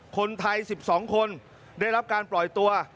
คนไทย๑๒คนได้รับการปล่อยตัว